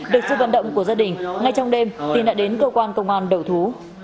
được sự vận động của gia đình ngay trong đêm tin đã đến cơ quan công an đầu thú